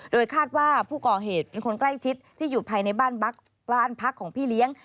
โดยคาดว่าผู้ก่อเหตุเป็นคนใกล้ชิดที่อยู่ภายในบ้านพักของพี่เลี้ยง